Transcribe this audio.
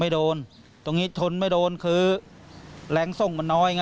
ไม่โดนตรงนี้ทนไม่โดนคือแรงทรงมันน้อยไง